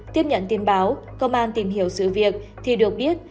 tiếp nhận tin báo công an tìm hiểu sự việc thì được biết